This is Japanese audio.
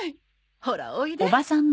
ほらおいで。